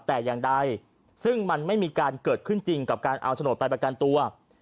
แต่อย่างใดซึ่งมันไม่มีการเกิดขึ้นจริงกับการเอาโฉนดไปประกันตัว